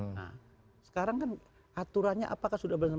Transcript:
nah sekarang kan aturannya apakah sudah benar benar